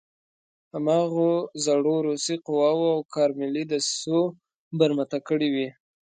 هماغو زړو روسي قواوو او کارملي دسیسو برمته کړی وي.